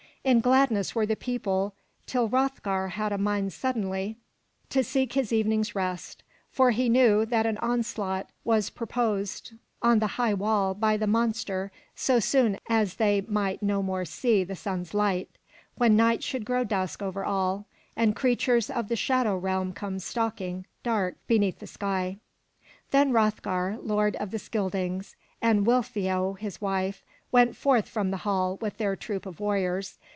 In gladness were the people till Hroth'gar had a mind suddenly to seek his evening's rest, for he knew that an onslaught was pur posed on the high hall by the monster so soon as they might no more see the sun's light, when night should grow dusk over all, and creatures of the shadow realm come stalking, dark, beneath the sky. Then Hroth'gar, lord of the Scyldings, and Weal'theow, his wife, went forth from the hall with their troop of warriors.